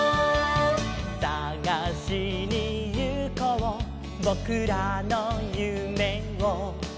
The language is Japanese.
「さがしにゆこうぼくらのゆめを」